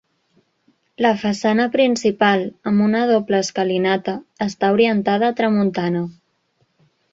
La façana principal, amb una doble escalinata, està orientada a tramuntana.